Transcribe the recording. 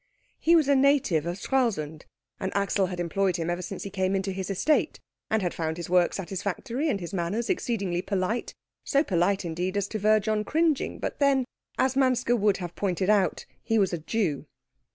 He was a native of Stralsund, and Axel had employed him ever since he came into his estate, and had found his work satisfactory, and his manners exceedingly polite so polite, indeed, as to verge on cringing; but then, as Manske would have pointed out, he was a Jew.